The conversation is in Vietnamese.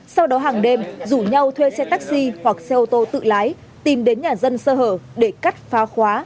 sau đó hàng đêm rủ nhau thuê xe taxi hoặc xe ô tô tự lái tìm đến nhà dân sơ hở để cắt phá khóa